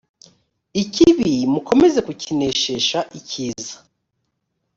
ikibi mukomeze kukineshesha icyiza